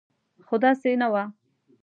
خو داسې نه وه.